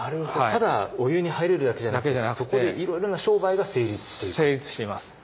ただお湯に入れるだけじゃなくてそこでいろいろな商売が成立していた。